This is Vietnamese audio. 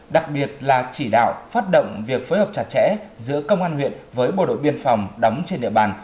đặc biệt là chỉ đạo phát động việc phối hợp chặt chẽ giữa công an huyện với bộ đội biên phòng đóng trên địa bàn